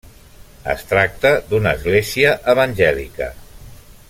Es tracta d'una església evangèlica.